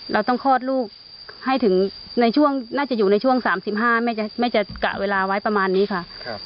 เราต้องคลอดลูกให้ถึงในช่วงน่าจะอยู่ในช่วง๓๕แม่จะกะเวลาไว้ประมาณนี้ค่ะ